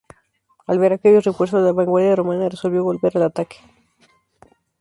Al ver aquellos refuerzos, la vanguardia romana resolvió volver al ataque.